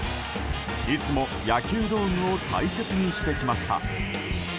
いつも野球道具を大切にしてきました。